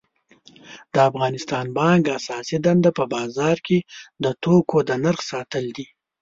د افغانستان بانک اساسی دنده په بازار کی د توکو د نرخ ساتل دي